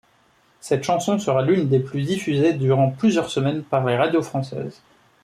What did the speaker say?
Cette chanson sera l'une des plus diffusées durant plusieurs semaines par les radios françaises.